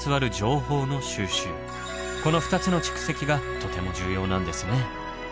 この２つの蓄積がとても重要なんですね。